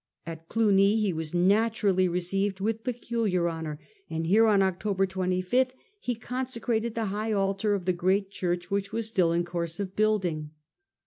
At Clugny he was naturally received with peculiar honour, and here, on October 25, he conse crated the high altar of the great church which was still in course of building.